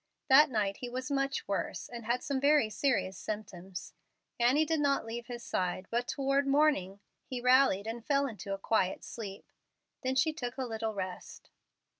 That night he was much worse, and had some very serious symptoms. Annie did not leave his side. But toward morning he rallied and fell into a quiet sleep. Then she took a little rest.